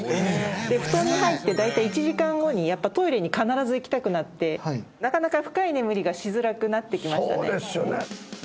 布団に入って大体１時間後にやっぱトイレに必ず行きたくなってなかなか深い眠りがしづらくなってきましたね